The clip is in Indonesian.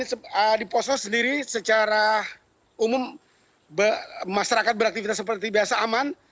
di poso sendiri secara umum masyarakat beraktivitas seperti biasa aman